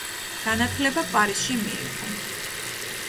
განათლება პარიზში მიიღო.